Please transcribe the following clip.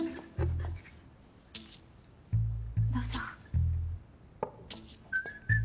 どうぞ。